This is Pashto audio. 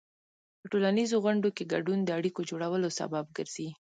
په ټولنیزو غونډو کې ګډون د اړیکو جوړولو سبب ګرځي.